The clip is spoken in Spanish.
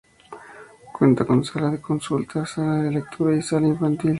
Cuenta con Sala de Consulta, Sala de lectura y Sala Infantil.